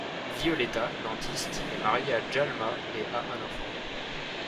Violeta, dentiste, est mariée à Djalma et a un enfant.